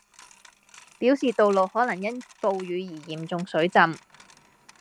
表示道路可能因暴雨而嚴重水浸